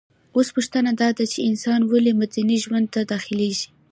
اوس پوښتنه داده چي انسان ولي مدني ژوند ته داخليږي؟